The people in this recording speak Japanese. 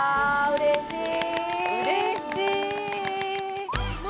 うれしい！